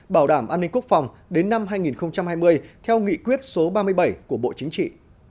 bảo đảm an ninh quốc phòng đến năm hai nghìn hai mươi theo nghị quyết số ba mươi bảy của bộ chính trị